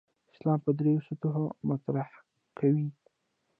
اسلام په درېو سطحو مطرح کوي.